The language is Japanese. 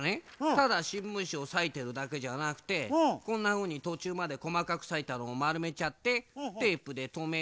ただしんぶんしをさいてるだけじゃなくてこんなふうにとちゅうまでこまかくさいたのをまるめちゃってテープでとめるとほら！